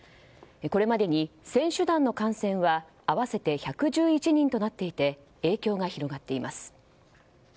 これまでに選手団の感染は合わせて１１１人となっていて影響が広がっています。